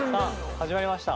始まりました。